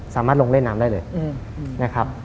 สามารถลงเล่นน้ำได้เลยนะครับ